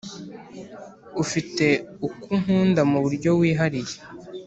ufite uko nkunda mu buryo wihariye